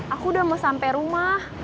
aku udah mau sampai rumah